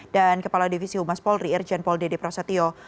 dan kepala divisi umas polri irjen pol dede prasetyo